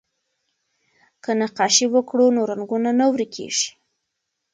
که نقاشي وکړو نو رنګونه نه ورکيږي.